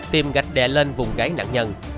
tìm gạch đè lên vùng gáy nạn nhân